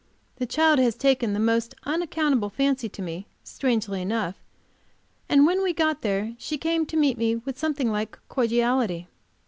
The child has taken the most unaccountable fancy to me, strangely enough, and when we got there she came to meet me with something like cordiality.